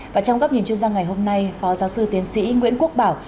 và trong góc nhìn chuyên gia ngày hôm nay phó giáo sư tiến sĩ nguyễn quốc bảo